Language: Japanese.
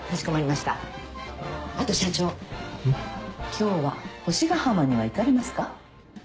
今日は星ヶ浜には行かれますか？